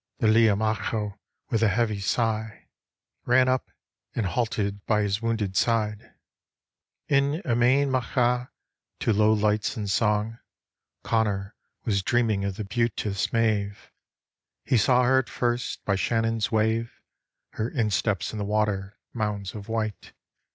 The Lia Macha with a heavy sigh Ran up and halted by his wounded side. THE DEATH OF SUALTEM 121 In Emain Macha to low lights and song Connor was dreaming of the beauteous Maeve. He saw her as at first, by Shannon's wave, Her insteps in the water, mounds of white.